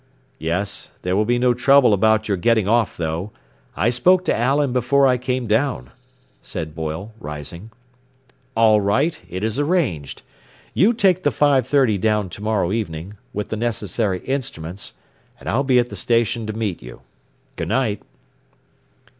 "Yes. There will be no trouble about your getting off, though. I spoke to Allen before I came down," said Boyle, rising. "All right, it is arranged. You take the five thirty down to morrow evening, with the necessary instruments, and I'll be at the station to meet you. Good night."